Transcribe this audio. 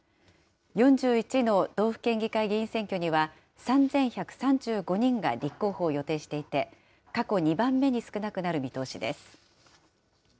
４１の道府県議会議員選挙には３１３５人が立候補を予定していて、過去２番目に少なくなる見通しです。